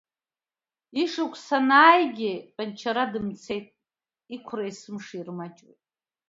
Ишықәс анааигьы тәанчара дымцеит, иқәра есымша ирмаҷуеит.